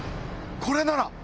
これなら！